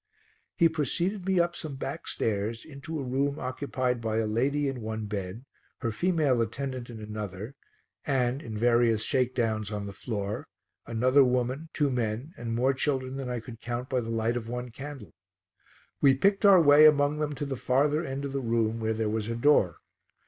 He preceded me up some back stairs into a room occupied by a lady in one bed, her female attendant in another and, in various shakedowns on the floor, another woman, two men and more children than I could count by the light of one candle. We picked our way among them to the farther end of the room where there was a door.